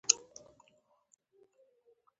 نه په بیولوژي کې نباتات حیوانات او انسانان ټول شامل دي